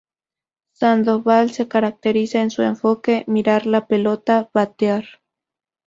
Sandoval se caracteriza en su enfoque: "Mirar la pelota, batear".